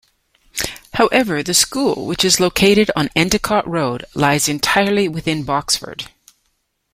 However, the school, which is located on Endicott Road, lies entirely within Boxford.